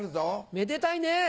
めでたいね！